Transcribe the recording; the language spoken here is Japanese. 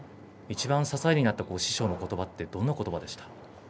いちばん支えになった師匠のことばはどんなことばでしたか。